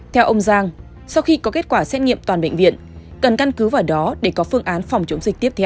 theo ông giang sau khi có kết quả xét nghiệm toàn bệnh viện cần căn cứ vào đó để có phương án phòng chống dịch tiếp theo